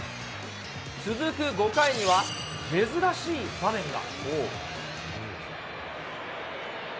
続く５回には、珍しい場面が。